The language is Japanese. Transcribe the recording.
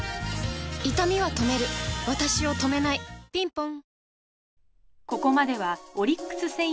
いたみは止めるわたしを止めないぴんぽん